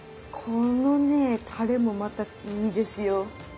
このねタレもまたいいですよ。